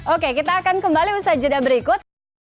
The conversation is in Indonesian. oke kita akan kembali usaha jeda berikut